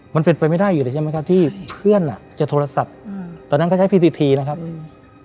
มันเป็นไปไม่ได้อยู่เลยใช่ไหมครับที่เพื่อนอ่ะจะโทรศัพท์อืมตอนนั้นก็ใช้พีซีทีนะครับอืม